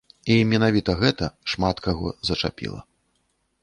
І менавіта гэта шмат каго зачапіла.